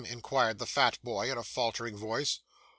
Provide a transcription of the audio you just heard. inquired the fat boy, in a faltering voice.